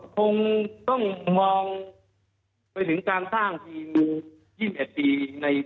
คงต้องมองไปถึงการสร้างทีม๒๑ปี